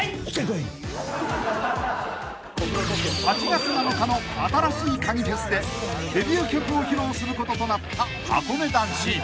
［８月７日の新しいカギＦＥＳ！でデビュー曲を披露することとなったはこね男子］